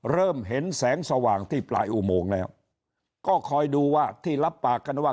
เริ่มเห็นแสงสว่างที่ปลายอุโมงแล้วก็คอยดูว่าที่รับปากกันว่า